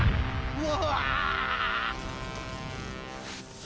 うわ！